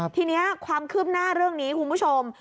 ทีนี้ความคืบหน้าเรื่องนี้คุณผู้ชม